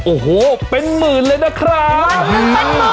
โอโหเป็นหมื่นเลยนะคะเป็นหมื่น